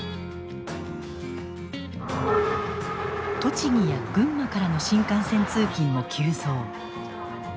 栃木や群馬からの新幹線通勤も急増。